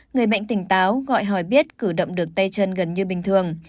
người bệnh tỉnh táo gọi hỏi biết cử động được tay chân gần như bình thường